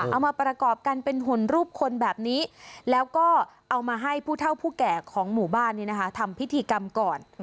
เอามาประกอบกันเป็นหุ่นรูปคนแบบนี้แล้วก็เอามาให้ผู้เท่าผู้แก่ของหมู่บ้านทำพิธีกรรมก่อน